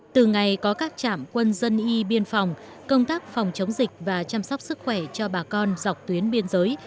từ ngày có các trạm quân dân y biên phòng công tác phòng chống dịch và chăm sóc sức khỏe cho bà con dọc tuyến biên giới